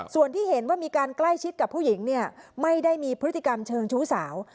ส่วนที่เห็นว่ามีการใกล้ชิดกับผู้หญิงเนี่ยไม่ได้มีพฤติกรรมเชิงชู้สาว